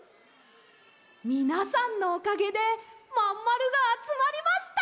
みなさんのおかげでまんまるがあつまりました。